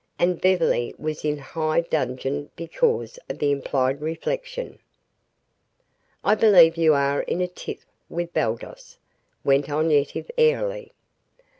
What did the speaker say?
and Beverly was in high dudgeon because of the implied reflection, "I believe you are in a tiff with Baldos," went on Yetive airily.